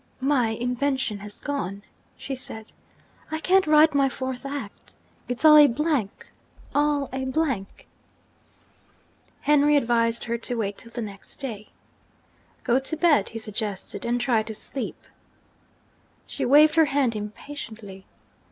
'My invention has gone,' she said. 'I can't write my fourth act. It's all a blank all a blank!' Henry advised her to wait till the next day. 'Go to bed,' he suggested; 'and try to sleep.' She waved her hand impatiently.